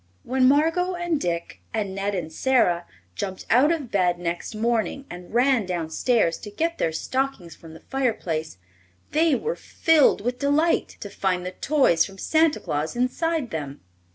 When Margot and Dick and Ned and Sara jumped out of bed next morning and ran downstairs to get their stockings from the fireplace they were filled with delight to find the toys from Santa Claus inside them.